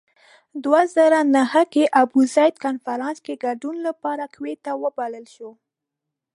دوه زره نهه کې ابوزید کنفرانس کې ګډون لپاره کویت ته وبلل شو.